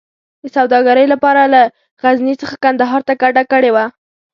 د سوداګرۍ لپاره له غزني څخه کندهار ته کډه کړې وه.